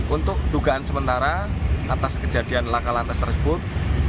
untuk dugaan sementara atas kejadian laka lantas tersebut